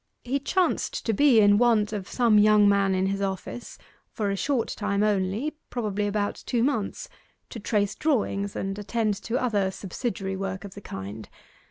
He chanced to be in want of some young man in his office for a short time only, probably about two months to trace drawings, and attend to other subsidiary work of the kind.